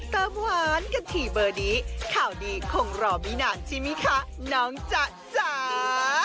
เติมหวานกันที่เบอร์ดีข่าวดีคงรอมีนานชิมิคะน้องจ๊ะจ๋า